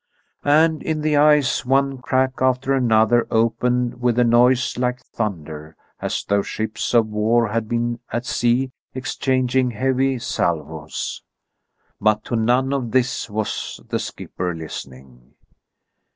And in the ice one crack after another opened with a noise like thunder, as though ships of war had been at sea exchanging heavy salvoes. But to none of this was the skipper listening.